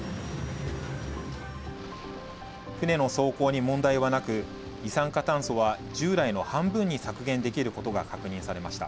船の走行に問題はなく、二酸化炭素は従来の半分に削減できることが確認できました。